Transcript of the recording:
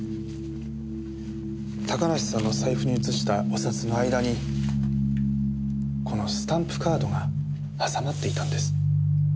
高梨さんの財布に移したお札の間にこのスタンプカードが挟まっていたんです。